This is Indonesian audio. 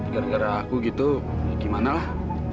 gara gara aku gitu gimana lah